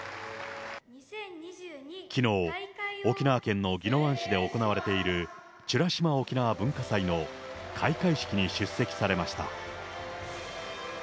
きのう、沖縄県の宜野湾市で行われている、美ら島おきなわ文化祭の開会式に出席されました。